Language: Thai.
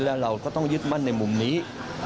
แล้วเราก็ต้องยึดมั่นในมุมนี้